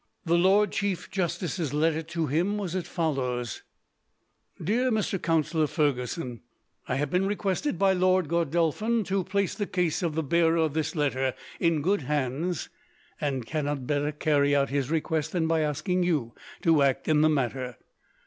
The lord chief justice's letter to him was as follows: Dear Mr. Counsellor Fergusson: I have been requested, by Lord Godolphin, to place the case of the bearer of this letter in good hands, and cannot better carry out his request than by asking you to act in the matter.